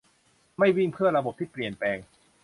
ไม่วิ่งเพื่อระบบที่เปลี่ยนแปลง